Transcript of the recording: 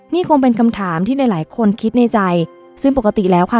นี่คงเป็นคำถามที่หลายหลายคนคิดในใจซึ่งปกติแล้วค่ะ